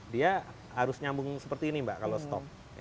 dia harus nyambung seperti ini mbak kalau stop